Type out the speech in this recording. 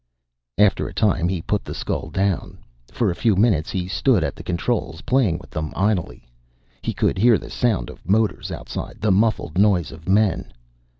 After a time he put the skull down. For a few minutes he stood at the controls, playing with them idly. He could hear the sound of motors outside, the muffled noise of men.